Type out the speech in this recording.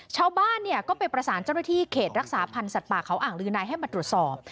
ชาวบ้านเนี่ยก็ไปประสานเจ้าหน้าที่เขตรักษาพันธ์สัตว์ป่าเขาอ่างลือนายให้มาตรวจสอบ